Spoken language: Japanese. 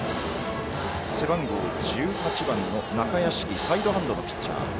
背番号１８番、中屋敷サイドハンドのピッチャー。